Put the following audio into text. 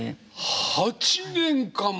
８年間も！